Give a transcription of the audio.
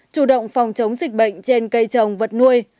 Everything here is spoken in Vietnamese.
chủ động phòng chống dịch bệnh trên cây trồng vật nuôi